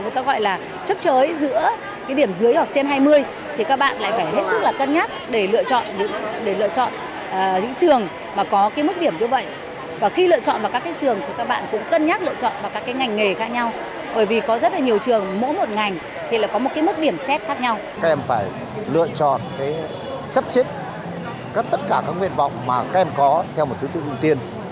tất cả các nguyện vọng mà các em có theo một thứ tư vụ tiên